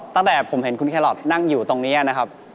ตั้งแต่ผมเห็นคุณแครอทนั่งอยู่ตรงนี้นะครับ